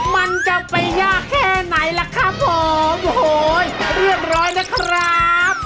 มันจะไปยากแค่ไหนล่ะครับผมโอ้โหเรียบร้อยนะครับ